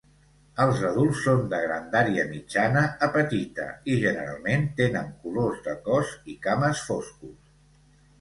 Els adults són de grandària mitjana a petita i generalment tenen colors de cos i cames foscos.